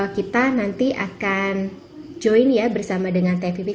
kita nanti akan join ya bersama dengan teh vivi